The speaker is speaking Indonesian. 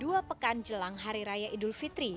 dua pekan jelang hari raya idul fitri